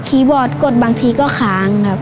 คีย์บอร์ดกดบางทีก็ค้าง